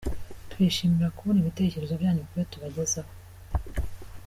Twishimira kubona ibitekerezo byanyu kubyo tubagezaho.